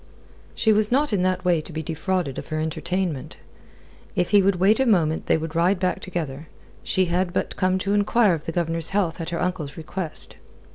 She was not in that way to be defrauded of her entertainment. If he would wait a moment they would ride back together. She had but come to enquire of the Governor's health at her uncle's request.